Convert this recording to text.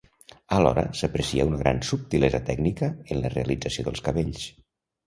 Alhora s'aprecia una gran subtilesa tècnica en la realització dels cabells.